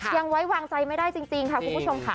ยังไว้วางใจไม่ได้จริงค่ะคุณผู้ชมค่ะ